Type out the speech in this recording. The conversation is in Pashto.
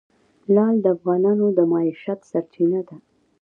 لعل د افغانانو د معیشت سرچینه ده.